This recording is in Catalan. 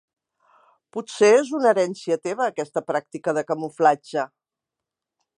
Potser és una herència teva, aquesta pràctica de camuflatge.